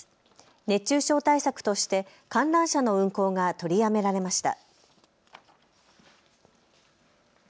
熱中症対策として観覧車の運行が取りやめられました。